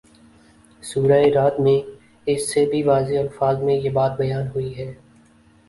سورۂ رعد میں اس سے بھی واضح الفاظ میں یہ بات بیان ہوئی ہے